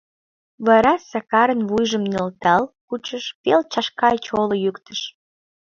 Вара Сакарын вуйжым нӧлтал кучыш, пел чашка чоло йӱктыш: